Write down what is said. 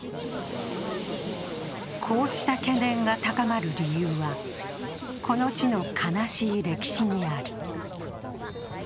こうした懸念が高まる理由はこの地の悲しい歴史にある。